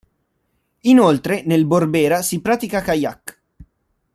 Inoltre nel Borbera si pratica kayak.